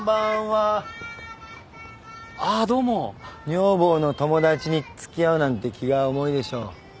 女房の友達に付き合うなんて気が重いでしょう？